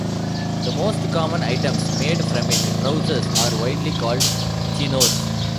The most common items made from it, trousers, are widely called "chinos".